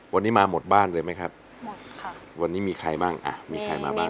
วันนี้มาหมดบ้านเลยไหมครับหมดค่ะวันนี้มีใครบ้างอ่ะมีใครมาบ้าง